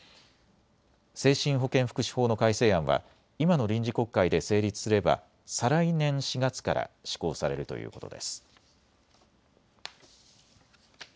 精神保健福祉法の改正案は今の臨時国会で成立すれば再来年４月から施行されるということです。